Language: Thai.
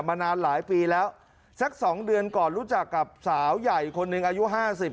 มานานหลายปีแล้วสักสองเดือนก่อนรู้จักกับสาวใหญ่คนหนึ่งอายุห้าสิบ